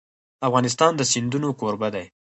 افغانستان د سیندونه کوربه دی.